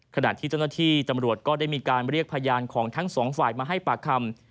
ขณะที่เจ้าหน้าที่ตำรวจก็ได้มีการเรียกพยานของทั้งสองฝ่ายมาให้ปากคำ